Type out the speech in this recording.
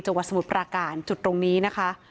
สมุทรปราการจุดตรงนี้นะคะ